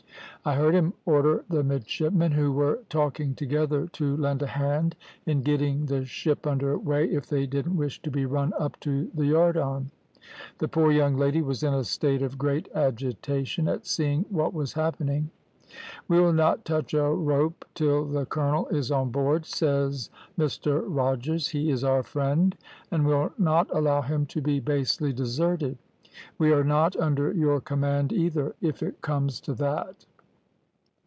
I heard him order the midshipmen, who were talking together, to lend a hand in getting the ship under weigh if they didn't wish to be run up to the yard arm. The poor young lady was in a state of great agitation at seeing what was happening. "`We'll not touch a rope till the colonel is on board,' says Mr Rogers; `he is our friend, and we'll not allow him to be basely deserted. We are not under your command either, if it comes to that.'